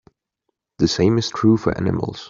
The same is true for animals.